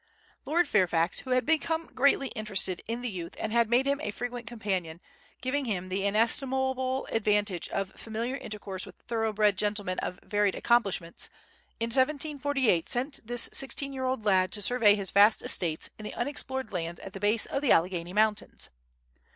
Lord Fairfax, who had become greatly interested in the youth and had made him a frequent companion, giving him the inestimable advantage of familiar intercourse with a thoroughbred gentleman of varied accomplishments, in 1748 sent this sixteen year old lad to survey his vast estates in the unexplored lands at the base of the Alleghany Mountains.